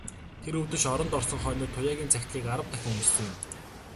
Тэр үдэш оронд орсон хойноо Туяагийн захидлыг арав дахин уншсан юм.